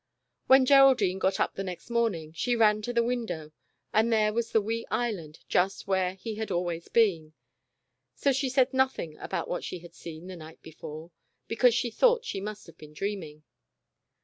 When Geraldine got up the next morning, she ran to the window, and there was the wee Island, just where he had always been. So she said nothing about what she had seen the night before, because she thought she must have been dreaming.